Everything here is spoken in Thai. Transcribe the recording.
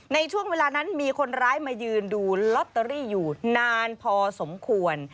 ในช่วงเวลานั้นมีคนร้ายมายืนดูลอตเตอรี่อยู่นานพอสมควร